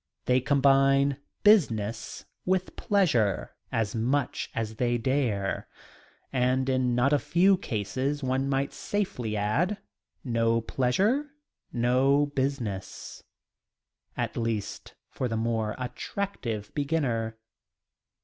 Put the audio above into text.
They combine business with pleasure as much as they dare, and in not a few cases one might safely add, no pleasure, no business, at least for the more attractive beginner.